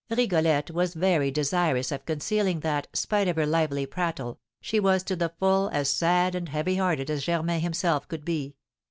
Rigolette was very desirous of concealing that, spite of her lively prattle, she was to the full as sad and heavy hearted as Germain himself could be.